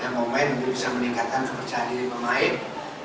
yang momen bisa meningkatkan percaya diri pemain